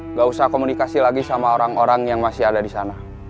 nggak usah komunikasi lagi sama orang orang yang masih ada di sana